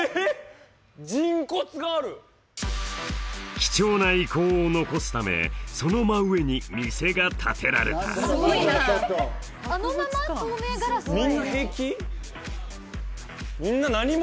貴重な遺構を残すためその真上に店が建てられたこの遺跡